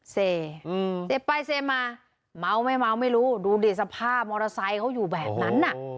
เซไปเซมาเม้าท์ไม่รู้ดูสภาพมอเตอร์ไซค์เขาอยู่แบบนั้น